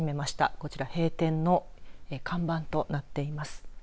こちら、閉店の看板となっています。